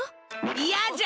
いやじゃ！